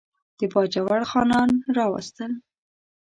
د باجوړ خانان راوستل.